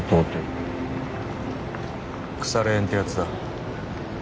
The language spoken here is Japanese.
腐れ縁ってやつだ。